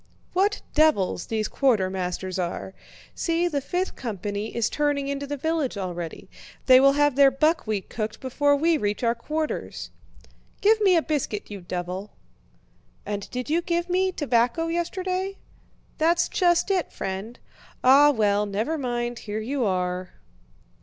"What devils these quartermasters are! See, the fifth company is turning into the village already... they will have their buckwheat cooked before we reach our quarters." "Give me a biscuit, you devil!" "And did you give me tobacco yesterday? That's just it, friend! Ah, well, never mind, here you are."